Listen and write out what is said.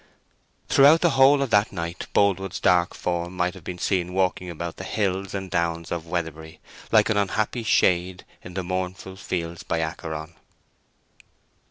Throughout the whole of that night Boldwood's dark form might have been seen walking about the hills and downs of Weatherbury like an unhappy Shade in the Mournful Fields by Acheron.